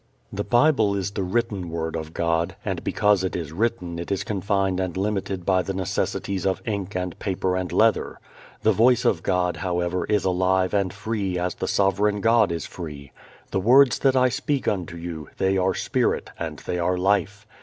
The Bible is the written word of God, and because it is written it is confined and limited by the necessities of ink and paper and leather. The Voice of God, however, is alive and free as the sovereign God is free. "The words that I speak unto you, they are spirit, and they are life."